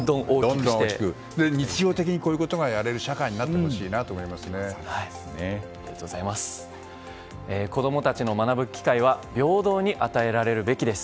日常的にこういうことがやれる子供たちの学ぶ機会は平等に与えられるべきです。